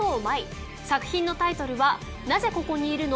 作品のタイトルは『なぜここにいるの？